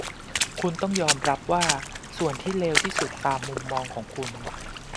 คุณต้องยอมรับว่าส่วนที่เลวที่สุดตามมุมมองของคุณ